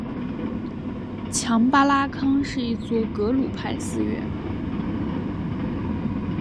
强巴拉康是一座格鲁派寺院。